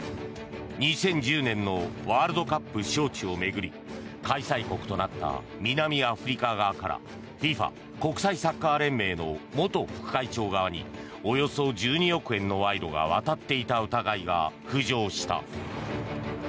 ２０１０年のワールドカップ招致を巡り開催国となった南アフリカ側からＦＩＦＡ・国際サッカー連盟の元副会長側におよそ１２億円の賄賂が渡っていた疑いが浮上した。